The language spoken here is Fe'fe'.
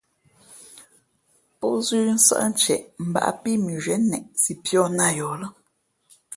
Pózʉ́ nsάʼ ntieʼ mbāʼ pí mʉnzhwíé neʼ si pīᾱ nā yαα lά.